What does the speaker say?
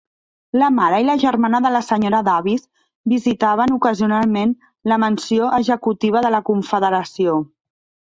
La mare i la germana de la senyora Davis visitaven ocasionalment la mansió executiva de la Confederació.